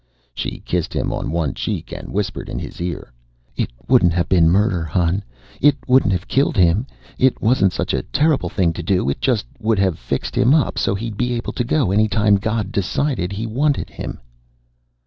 She kissed him on one cheek and whispered in his ear, "It wouldn't have been murder, hon. It wouldn't have killed him. It wasn't such a terrible thing to do. It just would have fixed him up so he'd be able to go any time God decided He wanted him."